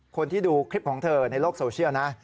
คนที่ดูคลิปของเธอในโลกโซเชียลนะ